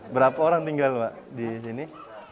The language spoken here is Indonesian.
berapa orang tinggal mbak di sini